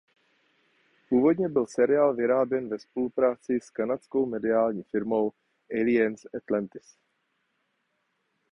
Původně byl seriál vyráběn ve spolupráci s kanadskou mediální firmou Alliance Atlantis.